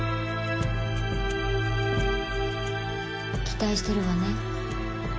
期待してるわね。